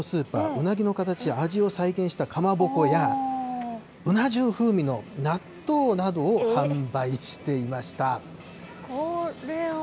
うなぎの形、味を再現したかまぼこや、うな重風味の納豆などを販売していました。